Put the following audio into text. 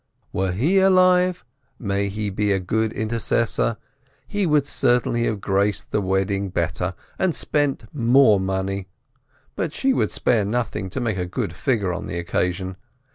Were he (may he be a good intercessor!) alive, he would certainly have graced the wedding better, and spent more money, but she would spare nothing to make a good figure on the occasion.